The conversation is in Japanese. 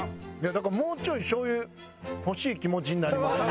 だからもうちょいしょう油欲しい気持ちになりますね。